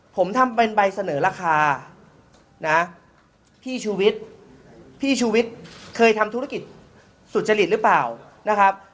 ผมทำเป็นใบเสนอราคานะพี่ชูวิทย์พี่ชูวิทย์เคยทำธุรกิจสุจริตหรือเปล่านะครับ